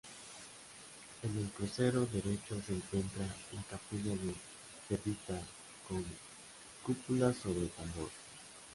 En el crucero derecho se encuentra la Capilla de Servitas, con cúpula sobre tambor.